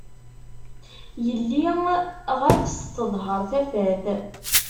Yelli ɣef-s teḍher tafat.